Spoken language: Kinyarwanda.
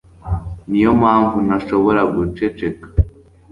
ni yo mpamvu ntashobora guceceka